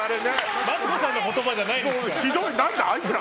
マツコさんの言葉じゃないですから。